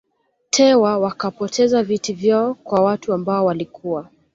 Tewa wakapoteza viti vyao kwa watu ambao walikuwa